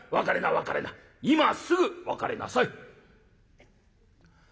今すぐ別れなさい」。